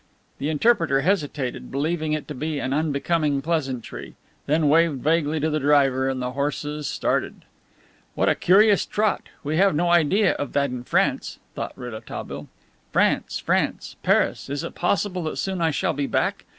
The interpreter hesitated, believing it to be an unbecoming pleasantry, then waved vaguely to the driver, and the horses started. "What a curious trot! We have no idea of that in France," thought Rouletabille. "France! France! Paris! Is it possible that soon I shall be back!